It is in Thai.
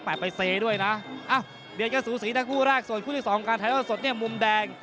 แบบไปเซด้วยนะอ้าวเดี๋ยวก็สูงสีทั้งผู้แรกส่วนผู้ที่สองการไทยโลกสดเนี่ยมุมแดง